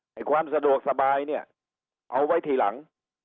ให้ความสะดวกสบายเนี่ยเอาไว้ทีหลัง